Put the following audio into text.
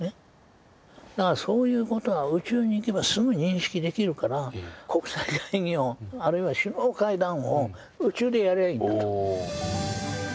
だからそういうことは宇宙に行けばすぐ認識できるから国際会議をあるいは首脳会談を宇宙でやりゃあいいんだと。